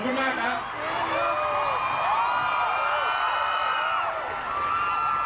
ขอบคุณมากครับ